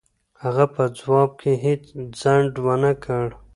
هغه په ځواب کې هېڅ ځنډ و نه کړ.